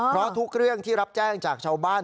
เพราะทุกเรื่องที่รับแจ้งจากชาวบ้าน